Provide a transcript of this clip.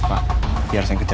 sampai jumpa di video selanjutnya